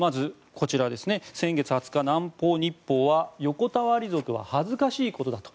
まず、こちら、先月２０日南方日報は横たわり族は恥ずかしいことだと。